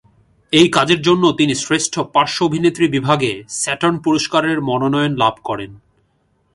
এই কাজের জন্য তিনি শ্রেষ্ঠ পার্শ্ব অভিনেত্রী বিভাগে স্যাটার্ন পুরস্কারের মনোনয়ন লাভ করেন।